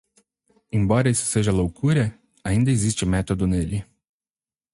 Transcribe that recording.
Embora isso seja loucura? ainda existe método nele